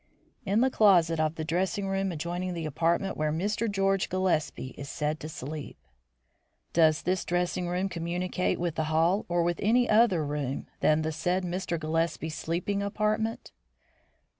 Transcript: "In the closet of the dressing room adjoining the apartment where Mr. George Gillespie is said to sleep." "Does this dressing room communicate with the hall or with any other room than the said Mr. Gillespie's sleeping apartment?"